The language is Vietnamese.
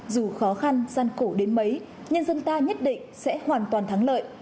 dù khó khăn gian khổ đến mấy nhân dân ta nhất định sẽ hoàn toàn thắng lợi